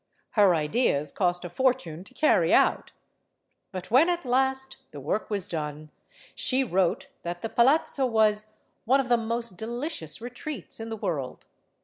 Her ideas cost a fortune to carry out. But when at last the work was done, she wrote that the palazzo was "one of the most delicious retreats in the world."